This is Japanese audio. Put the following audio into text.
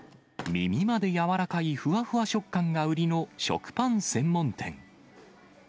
耳まで柔らかいふわふわ食感が売りの食パン専門店。